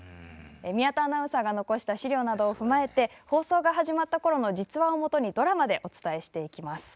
宮田アナウンサーが残した資料などを踏まえて放送が始まった頃の実話を基にドラマでお伝えしていきます。